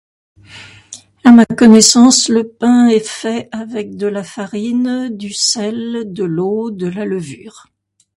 À ma connaissance le pain est fait avec de la farine, du sel, de l'eau, de la levure.